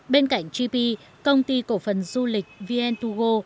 bên cạnh gp công ty cổ phần du lịch vn hai go